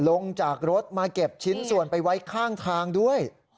ลงจากรถมาเก็บชิ้นส่วนไปไว้ข้างทางด้วย